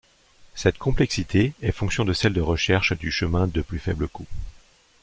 Cette complexité est fonction de celle de recherche du chemin de plus faible coût.